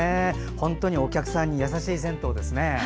本当にお客さんに優しい銭湯ですね。